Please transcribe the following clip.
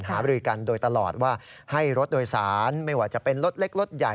บริกันโดยตลอดว่าให้รถโดยสารไม่ว่าจะเป็นรถเล็กรถใหญ่